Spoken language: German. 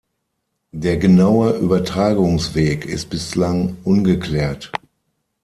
Der genaue Übertragungsweg ist bislang ungeklärt.